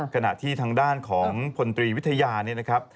ขณะที่ทางด้านของพลตรีวิทยาเนี่ยนะครับ